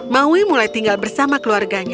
maui mulai tinggal bersama keluarganya